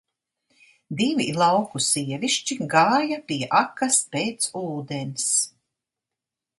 Divi lauku sievišķi gāja pie akas pēc ūdens.